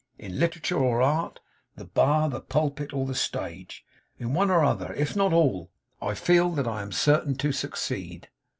In literature or art; the bar, the pulpit, or the stage; in one or other, if not all, I feel that I am certain to succeed.